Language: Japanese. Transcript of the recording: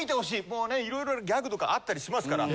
もうねいろいろギャグとかあったりしますから。